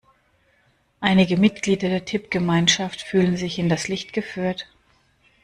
Einige Mitglieder der Tippgemeinschaft fühlen sich hinters Licht geführt.